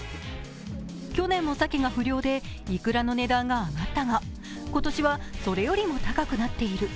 去年も鮭が不漁でいくらの値段が上がったが、今年はそれよりも高くなっている。